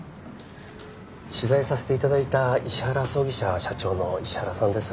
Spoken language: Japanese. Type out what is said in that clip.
取材させていただいた石原葬儀社社長の石原さんです。